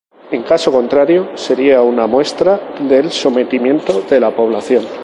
En caso contrario, sería una muestra del sometimiento de la población.